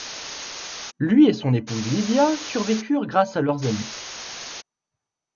Lui et son épouse Lidia survécurent grâce à leurs amis.